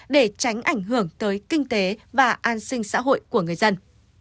để tránh ảnh hưởng tới kinh tế và an sinh xã hội của người dân